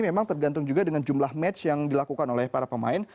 memang tergantung juga dengan jumlah match yang dilakukan oleh para pemain